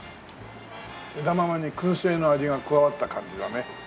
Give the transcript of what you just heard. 枝豆に燻製の味が加わった感じだね。